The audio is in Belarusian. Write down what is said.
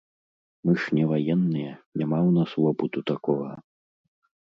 Мы ж не ваенныя, няма ў нас вопыту такога!